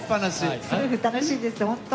すごく楽しいです、本当。